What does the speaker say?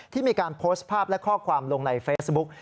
มีการโพสต์ภาพและข้อความลงในเฟซบุ๊ก